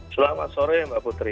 selamat sore mbak putri